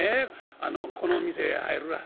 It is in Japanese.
この店へ入るわ。